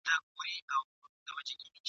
خولگۍ راکه شل کلنی پسرلی رانه تېرېږی !.